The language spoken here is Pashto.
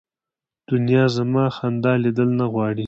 دنیا زما خندا لیدل نه غواړي